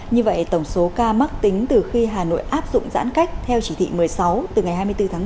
như vậy tổng số ca mắc tính từ khi hà nội áp dụng giãn cách theo chỉ thị một mươi sáu từ ngày hai mươi bốn bảy đến nay là hai sáu trăm ba mươi năm ca